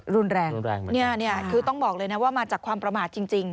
รุนแรงรุนแรงมากเนี่ยคือต้องบอกเลยนะว่ามาจากความประมาทจริง